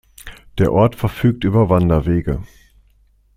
Der Ort verfügt über Wanderwege.